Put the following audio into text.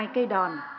hai cây đòn